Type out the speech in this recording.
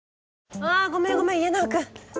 あごめんごめん家長くん。